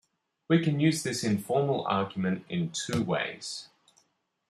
We can use this informal argument in two ways.